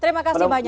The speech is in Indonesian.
terima kasih banyak